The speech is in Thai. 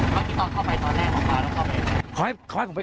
เมื่อกี้ตอนเข้าไปตอนแรกเขามาแล้วเข้าไปยังไง